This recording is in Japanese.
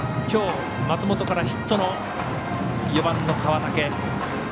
きょう、松本からヒットの４番の川竹。